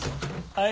はい。